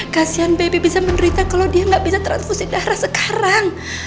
kasian bebe bisa menderita kalau dia nggak bisa transfusi darah sekarang